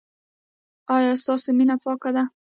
ایا ستاسو مینه پاکه ده؟